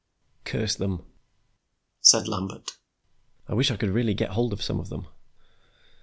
"Curse them," said Lambert. "I wish I could really get hold of some of them.